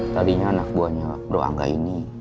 tadinya anak buahnya bro angga ini